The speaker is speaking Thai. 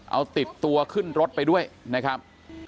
เอาติดตัวขึ้นรถไปด้วยนะครับ